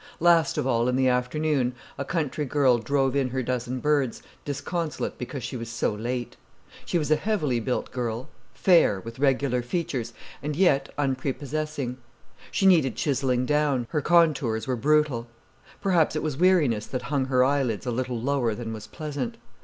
Last of all, in the afternoon, a country girl drove in her dozen birds, disconsolate because she was so late. She was a heavily built girl, fair, with regular features, and yet unprepossessing. She needed chiselling down, her contours were brutal. Perhaps it was weariness that hung her eyelids a little lower than was pleasant.